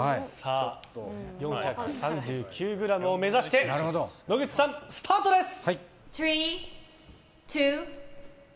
４３９ｇを目指して野口さん、スタートです！